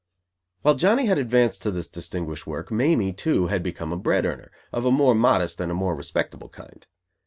While Johnny had advanced to this distinguished work, Mamie, too, had become a bread earner, of a more modest and a more respectable kind.